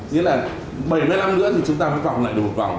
nếu như là bảy mươi năm nữa thì chúng ta mới vòng lại được một vòng